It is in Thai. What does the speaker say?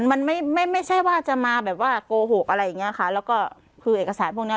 มันไม่ไม่ใช่ว่าจะมาแบบว่าโกหกอะไรอย่างเงี้ยค่ะแล้วก็คือเอกสารพวกเนี้ย